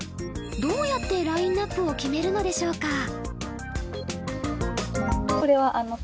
どうやってラインナップを決めるのでしょうか？